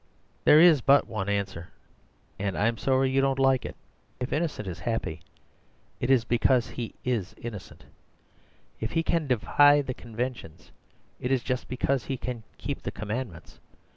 "There is but one answer, and I am sorry if you don't like it. If Innocent is happy, it is because he IS innocent. If he can defy the conventions, it is just because he can keep the commandments.